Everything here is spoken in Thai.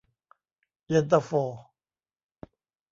เย็นตาโฟ